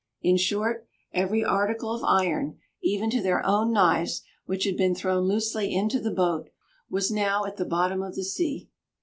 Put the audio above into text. In short, every article of iron, even to their own knives, which had been thrown loosely into the boat, was now at the bottom of the sea.